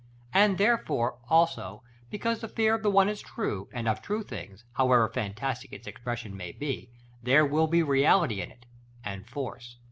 And therefore, also, because the fear of the one is true, and of true things, however fantastic its expression may be, there will be reality in it, and force.